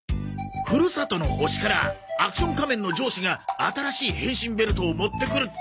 ふるさとの星からアクション仮面の上司が新しい変身ベルトを持ってくるってのはどうだ？